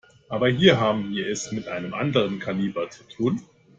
Aber hier haben wir es mit einem anderen Kaliber zu tun.